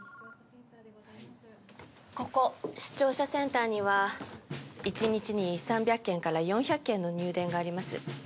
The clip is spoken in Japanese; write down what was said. ここ視聴者センターには一日に３００件から４００件の入電があります。